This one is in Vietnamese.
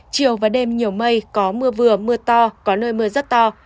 chiều và đêm nhiều mây có mưa vừa mưa to có nơi mưa rất to